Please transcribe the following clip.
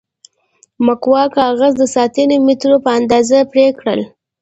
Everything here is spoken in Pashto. مقوا کاغذ د سانتي مترو په اندازه پرې کړئ.